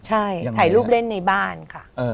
ใช่ถ่ายรูปเล่นในบ้านค่ะ